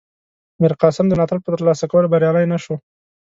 میرقاسم د ملاتړ په ترلاسه کولو بریالی نه شو.